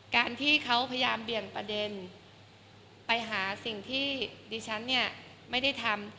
การที่เขาพยายามเบี่ยงประเด็นไปหาสิ่งที่ดิฉันเนี่ยไม่ได้ทำ